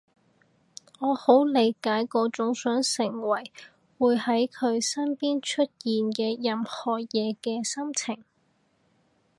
我好理解嗰種想成為會喺佢身邊出現嘅任何嘢嘅心情